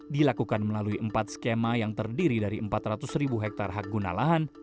dilakukan melalui empat skema yang terdiri dari empat ratus ribu hektare hak guna lahan